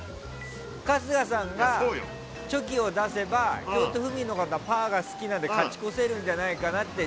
春日さんがチョキを出せば京都府民の方はパーが好きなので勝ち越せるんじゃないかなって